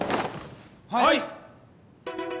はい！